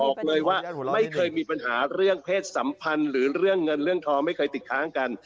บอกเลยว่าไม่เคยมีปัญหาเรื่องเพศสัมพันธ์หรือเรื่องเงินเรื่องทองไม่เคยติดค้างกัน